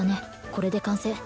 これで完成